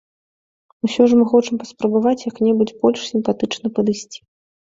Усё ж мы хочам паспрабаваць як-небудзь больш сімпатычна падысці.